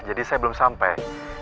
jadi saya belum sampai